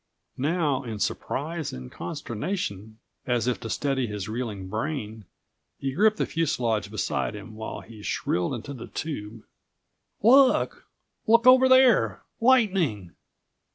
Now in surprise and consternation, as if to steady his reeling brain, he gripped the fuselage beside him while he shrilled into the tube: "Look! Look over there! Lightning!"